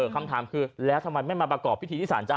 คำถามคือแล้วทำไมไม่มาประกอบพิธีที่ศาลจ้